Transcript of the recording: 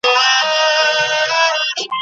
نه پخپله لاره ویني نه د بل په خوله باور کړي